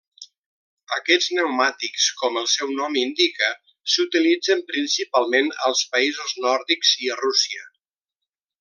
Aquests pneumàtics, com el seu nom indica, s'utilitzen principalment als països nòrdics i a Rússia.